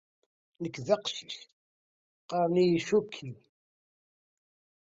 Nekk d aqcic, qqaren-iyi Chucky.